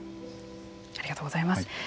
ありがとうございます。